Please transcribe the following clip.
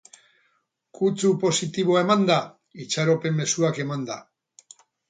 Kutsu positiboa emanda, itxaropen mezuak emanda.